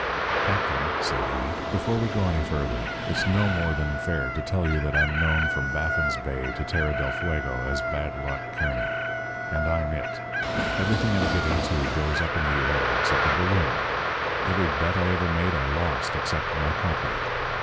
"'Captain,' said he, 'before we go any further, it's no more than fair to tell you that I'm known from Baffin's Bay to Terra del Fuego as "Bad Luck" Kearny. And I'm It. Everything I get into goes up in the air except a balloon. Every bet I ever made I lost except when I coppered it.